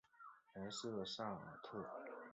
莱瑟萨尔特。